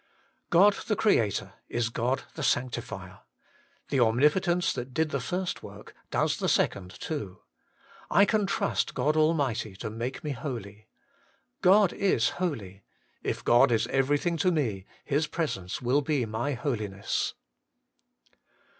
1. God the Creator la God the Sanctifier. The Omnipotence that did the first work does the second too. I can trust 6od Almighty to make me holy. God it holy : if God is everything to me, His presence will be my holiness.